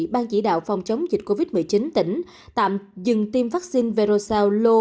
ban chỉ đạo phòng chống dịch covid một mươi chín tỉnh tạm dừng tiêm vaccine verocell